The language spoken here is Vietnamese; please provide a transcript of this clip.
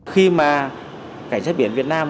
khi mà cảnh sát biển việt nam